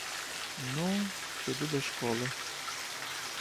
Ну, піду до школи!